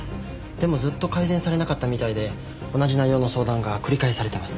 でもずっと改善されなかったみたいで同じ内容の相談が繰り返されてます。